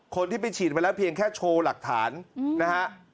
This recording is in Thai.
คนที่ไปฉีดมาแล้วเพียงแค่โชว์หลักฐานนะฮะ